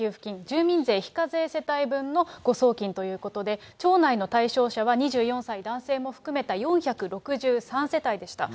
住民税非課税世帯分の誤送金ということで、町内の対象者は２４歳男性も含めた４６３世帯でした。